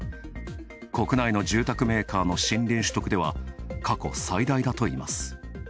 国内の住宅メーカーの森林取得では過去最大だといいます。